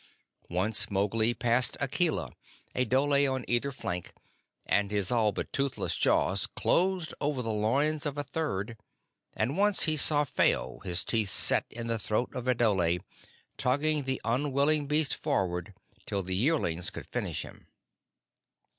Once Mowgli passed Akela, a dhole on either flank, and his all but toothless jaws closed over the loins of a third; and once he saw Phao, his teeth set in the throat of a dhole, tugging the unwilling beast forward till the yearlings could finish him.